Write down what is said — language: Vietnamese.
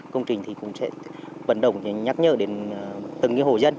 công trình thì cũng sẽ vận động nhắc nhở đến từng hồ dân